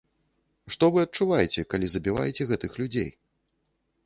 Што вы адчуваеце, калі забіваеце гэтых людзей?